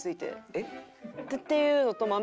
えっ？